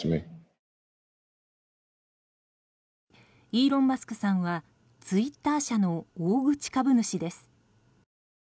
イーロン・マスクさんはツイッター社の大口株主です。